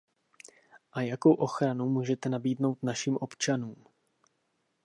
A jakou ochranu můžete nabídnout našim občanům?